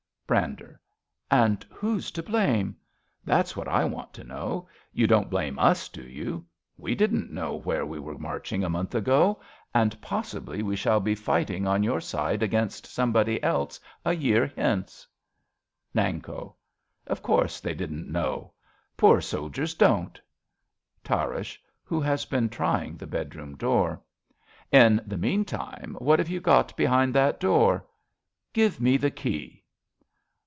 Brander. And who's to blame? That's what I want to know. You don't blame us, do you ? We didn't know where we w ere marching a month ago ; and 28 A BELGIAN CHRISTMAS EVE possibly we shall be fighting on your side against somebody else, a year hence. Nanko. Of course they didn't know ! Poor soldiers don't. Tarrasch (who has been trying the bedroom door). In the meantime, what have you got behind that door? Give me the key.